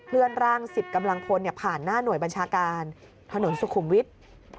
เลื่อนร่าง๑๐กำลังพลผ่านหน้าหน่วยบัญชาการถนนสุขุมวิทย์